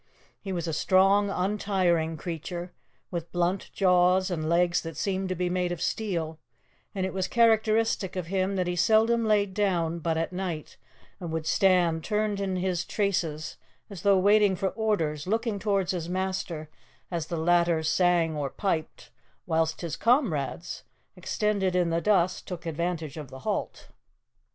He was a strong, untiring creature, with blunt jaws and legs that seemed to be made of steel, and it was characteristic of him that he seldom laid down but at night, and would stand turned in his traces as though waiting for orders, looking towards his master as the latter sang or piped, whilst his comrades, extended in the dust, took advantage of the halt.